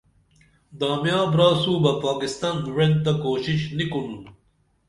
دامیاں براسو بہ پاکستان وعن تہ کوشش نی کُنُن